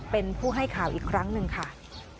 เป็นผู้ให้ข่าวอีกครั้งหนึ่งค่ะ